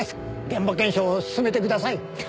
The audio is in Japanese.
現場検証を進めてください。